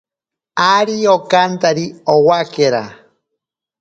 Ari okantari owakera.